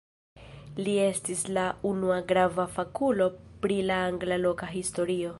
Li estis la unua grava fakulo pri la angla loka historio.